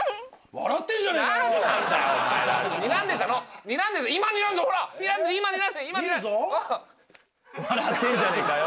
笑ってんじゃねえかよ